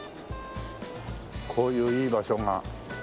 こういういい場所が。